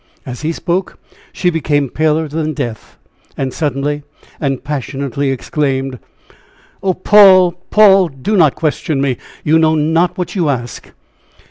As he spoke, she became paler than death, and suddenly and passionately exclaimed: "Oh, Paul! Paul! do not question me! You know not what you ask."